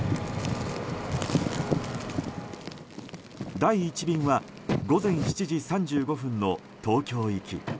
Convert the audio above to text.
第１便は午前７時３５分の東京行き。